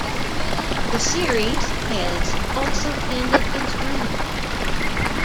The series has also ended its run.